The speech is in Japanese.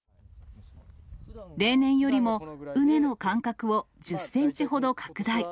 例年よりも畝の間隔を１０センチほど拡大。